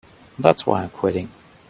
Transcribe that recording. That's why I'm quitting.